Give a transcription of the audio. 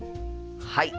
はい。